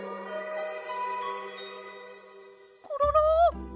コロロ。